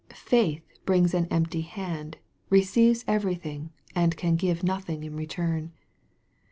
Faith brings an empty hand, receives everything, and can give nothing in return.